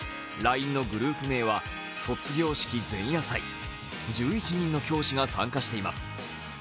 ＬＩＮＥのグループ名は卒業式前夜祭１１人の教師が参加しています。